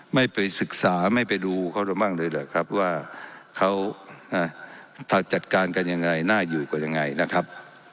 ไม่ไปศึกษาไม่ไปดูเขาเรามั่งเลยเหรอครับว่าเขาจัดการกันยังไงน่าอยู่กว่ายังไงนะครับ